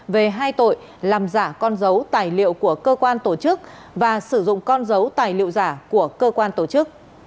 về hai tội làm giả con dấu tài liệu của cơ quan tổ chức và sử dụng con dấu tài liệu giả của cơ quan tổ chức